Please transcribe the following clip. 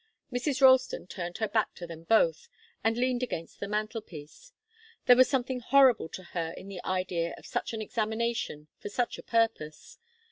Mrs. Ralston turned her back to them both, and leaned against the mantelpiece. There was something horrible to her in the idea of such an examination for such a purpose.